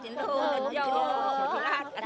jangan lupa untuk saling belajar